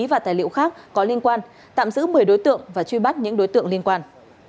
và tài liệu khác có liên quan tạm giữ một mươi đối tượng và truy bắt những đối tượng liên quan